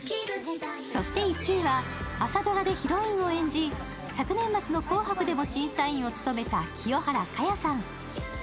そして１位は朝ドラでヒロインを演じ、昨年末の「紅白」審査員を務めた清原果耶さん。